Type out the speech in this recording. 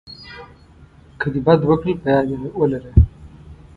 که د بد وکړل په یاد یې ولره .